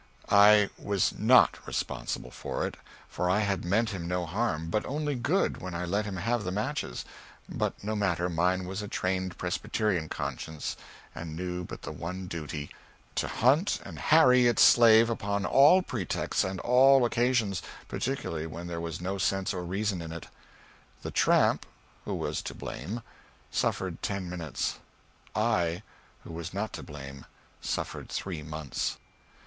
I was not responsible for it, for I had meant him no harm, but only good, when I let him have the matches; but no matter, mine was a trained Presbyterian conscience, and knew but the one duty to hunt and harry its slave upon all pretexts and on all occasions; particularly when there was no sense or reason in it. The tramp who was to blame suffered ten minutes; I, who was not to blame, suffered three months.